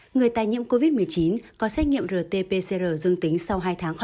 người tài nhiễm covid một mươi chín có xét nghiệm rt pcr dương tính sau hai tháng